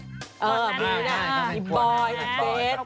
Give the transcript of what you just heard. โร่นั้นมันมีโบยแล้วก็ตี๊ก